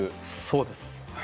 そうです。